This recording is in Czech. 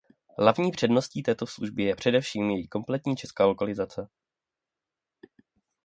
Hlavní předností této služby je především její kompletní česká lokalizace.